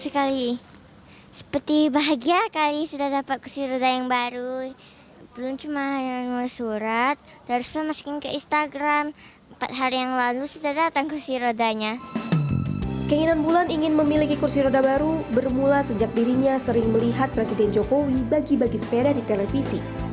keinginan bulan ingin memiliki kursi roda baru bermula sejak dirinya sering melihat presiden jokowi bagi bagi sepeda di televisi